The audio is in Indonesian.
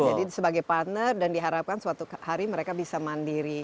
jadi sebagai partner dan diharapkan suatu hari mereka bisa mandiri